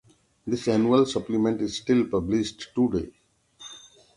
This annual supplement is still published today.